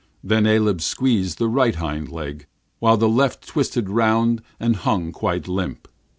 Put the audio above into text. Then Aleb seized the right hind leg, while the left twisted round and hung quite limp.